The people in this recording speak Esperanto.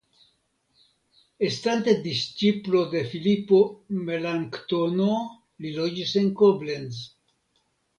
Estante disĉiplo de Filipo Melanktono li loĝis en Koblenz.